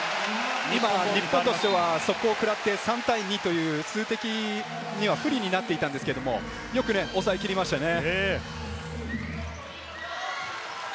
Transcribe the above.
日本としては速攻をくらって３対２という数的には不利になっていたんですけれど、よく抑えきりましたよね。